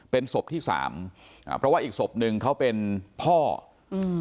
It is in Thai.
เป็นศพที่สามอ่าเพราะว่าอีกศพหนึ่งเขาเป็นพ่ออืม